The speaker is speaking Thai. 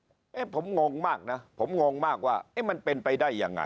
เอ๊ะผมงงมากนะผมงงมากว่ามันเป็นไปได้ยังไง